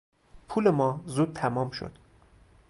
پول ما زود تمام شد.